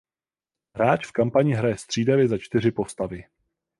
Hráč v kampani hraje střídavě za čtyři postavy.